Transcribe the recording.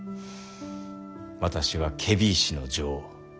私は検非違使の尉。